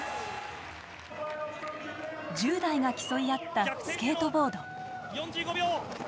１０代が競い合ったスケートボード。